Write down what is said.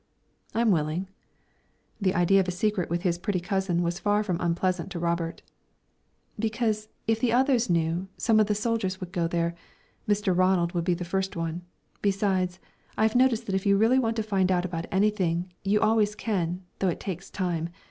"I'm willing." The idea of a secret with his pretty cousin was far from unpleasant to Robert. "Because, if the others knew, some of the soldiers would go there Mr. Ronald would be the first one. Besides, I've noticed that if you really want to find out about anything, you always can, though it takes time.